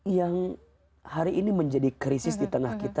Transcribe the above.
yang hari ini menjadi krisis di tengah kita